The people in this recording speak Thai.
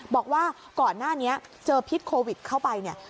บอกว่าก่อนหน้านี้เจอพิษโควิดเข้าไปเนี่ย